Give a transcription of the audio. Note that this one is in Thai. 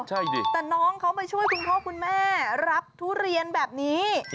ใช่ดิแต่น้องเขามาช่วยคุณพ่อคุณแม่รับทุเรียนแบบนี้